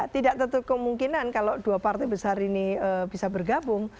tidak tertutup kemungkinan kalau dua partai besar ini bisa bergabung